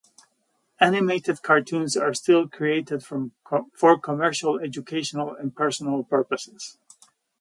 Animated cartoons are still created for commercial, educational, and personal purposes.